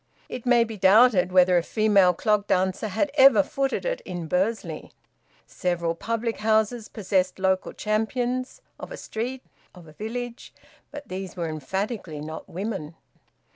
It may be doubted whether a female clog dancer had ever footed it in Bursley. Several public houses possessed local champions of a street, of a village but these were emphatically not women.